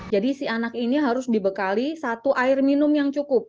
jadi si anak ini harus dibekali satu air minum yang cukup